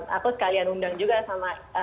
nah aku sekalian undang juga sama para internet